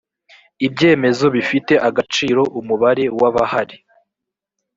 ibyemezo bifite agaciro umubare w abahari